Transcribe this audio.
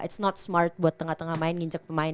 it's not smart buat tengah tengah main nginjek pemain